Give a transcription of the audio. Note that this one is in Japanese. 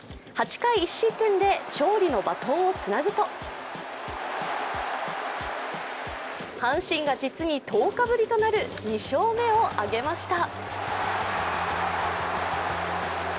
８回１失点で勝利のバトンをつなぐと阪神が実に１０日ぶりとなる２勝目を挙げました。